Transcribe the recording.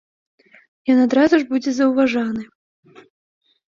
Ён адразу ж будзе заўважаны.